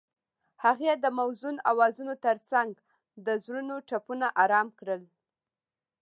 هغې د موزون اوازونو ترڅنګ د زړونو ټپونه آرام کړل.